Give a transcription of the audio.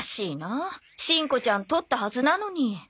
しんこちゃん撮ったはずなのに。